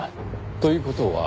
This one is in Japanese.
という事は。